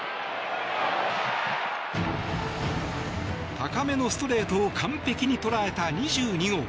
高めのストレートを完璧に捉えた２２号。